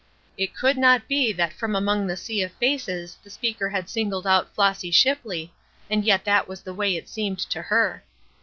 It could not be that from among that sea of faces the speaker had singled out Flossy Shipley, and yet that is the way it seemed to her.